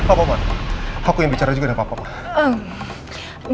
apa apa ma aku yang bicara juga sama papa ma